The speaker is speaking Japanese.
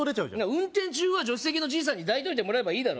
運転中は助手席のじいさんに抱いといてもらえばいいだろ